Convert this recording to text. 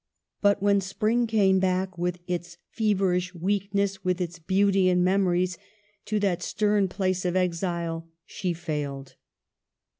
But when spring came back, with its feverish weakness, with its beauty and memories, to that stern place of exile, she failed.